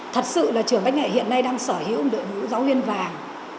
thật sự là trường bách nghệ hiện nay đang sở hữu đội ngũ giáo viên vàng